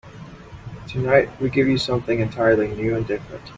Tonight we give you something entirely new and different.